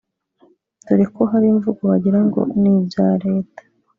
dore ko hari imvugo bagiraga ngo ni ibya Leta